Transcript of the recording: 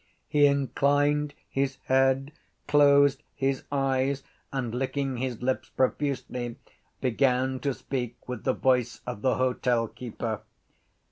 He inclined his head, closed his eyes, and, licking his lips profusely, began to speak with the voice of the hotel keeper.